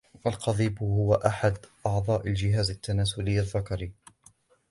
القضيب هو أحد أعضاء الجهاز التناسلي الذكري.